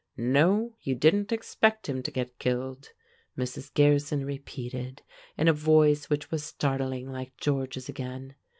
"No, you didn't expect him to get killed," Mrs. Gearson repeated in a voice which was startlingly like George's again.